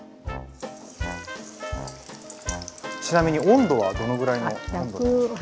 ちなみに温度はどのぐらいの温度でしょうか？